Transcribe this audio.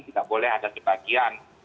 tidak boleh ada sebagian